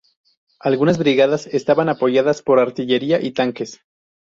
Algunas brigadas estaban apoyadas por artillería y tanques.